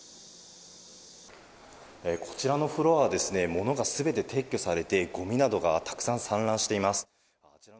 こちらのフロアですね、物がすべて撤去されて、ごみなどがたくさん散乱しています。